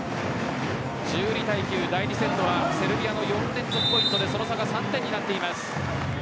１２対９第２セットはセルビアの４連続ポイントでその差が３点になっています。